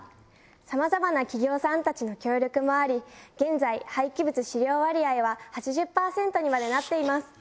さまざまな企業さんたちの協力もあり現在廃棄物飼料割合は８０％にまでなっています。